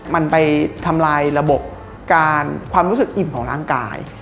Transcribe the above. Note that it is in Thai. มันไปทำลายระบบการความรู้สึกอิ่มของร่างกาย